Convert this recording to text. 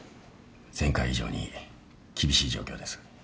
前回以上に厳しい状況です。